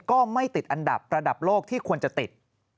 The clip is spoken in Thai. ก็ไม่ติดอันดับระดับโลกที่ควรจะติด